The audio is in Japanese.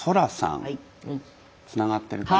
つながってるかな？